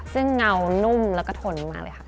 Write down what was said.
ซึ่งเงานุ่มแล้วก็ทนมากเลยค่ะ